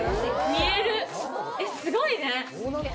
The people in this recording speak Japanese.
見えるすごいね。